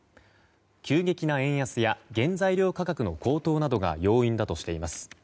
急激な円安や原材料価格の高騰などが要因だとしています。